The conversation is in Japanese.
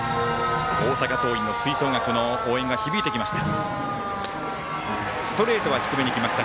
大阪桐蔭の吹奏楽の応援が響いてきました。